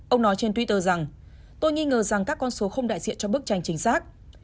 ông nói trên twitter rằng tôi nghi ngờ rằng các con số không đại diện cho bức tranh chính xác